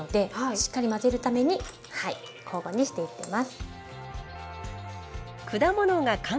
しっかり混ぜるために交互にしていってます。